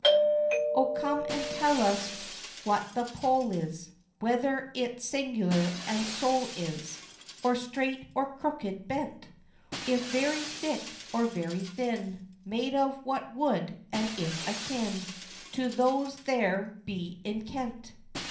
XXI. O come and tell us what the Pole is Whether it singular and sole is, Or straight, or crooked bent, If very thick or very thin, Made of what wood and if akin To those there be in Kent?